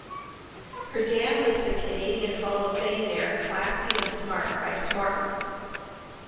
Her dam was the Canadian Hall of Fame mare Classy 'n Smart by Smarten.